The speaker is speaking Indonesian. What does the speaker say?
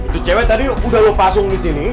itu cewek tadi udah lo pasung di sini